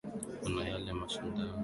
Kuna yale mashindano